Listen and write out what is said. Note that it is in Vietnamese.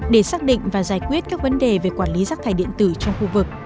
để xác định và giải quyết các vấn đề về quản lý rác thải điện tử trong khu vực